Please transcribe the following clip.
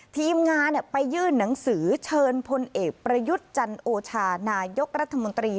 ทีมงานไปยื่นหนังสือเชิญพลเอกประยุทธ์จันโอชานายกรัฐมนตรี